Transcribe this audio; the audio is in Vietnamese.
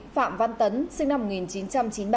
phạm văn tấn sinh năm một nghìn chín trăm chín mươi ba